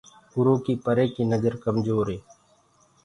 اُرو ڪي پري ڪي نجر ڪمجور هي۔